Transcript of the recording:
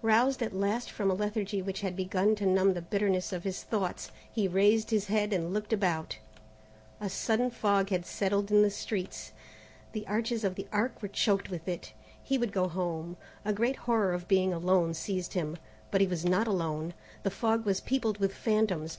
Roused at last from a lethargy which had begun to numb the bitterness of his thoughts, he raised his head and looked about. A sudden fog had settled in the streets; the arches of the Arc were choked with it. He would go home. A great horror of being alone seized him. But he was not alone. The fog was peopled with phantoms.